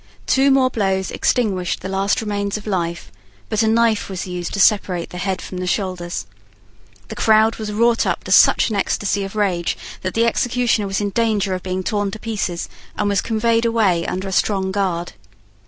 Two more blows extinguished the last remains of life; but a knife was used to separate the head from the shoulders. The crowd was wrought up to such an ecstasy of rage that the executioner was in danger of being torn in pieces, and was conveyed away under a strong guard.